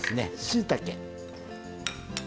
しいたけ。